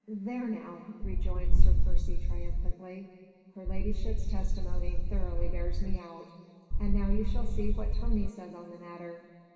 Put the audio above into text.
"There now!" rejoined Sir Percy triumphantly, "her ladyship's testimony thoroughly bears me out. And now you shall see what Tony says on the matter.